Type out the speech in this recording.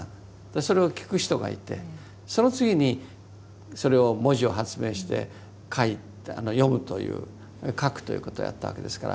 それを聞く人がいてその次にそれを文字を発明して書いて読むという書くということをやったわけですから。